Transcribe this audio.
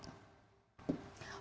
fundamental ekonomi yang baik